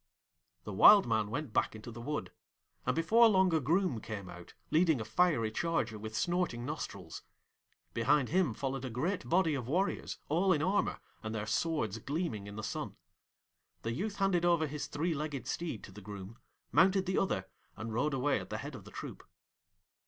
The Wild Man went back into the wood, and before long a Groom came out, leading a fiery charger with snorting nostrils. Behind him followed a great body of warriors, all in armour, and their swords gleaming in the sun. The youth handed over his three legged steed to the Groom, mounted the other, and rode away at the head of the troop.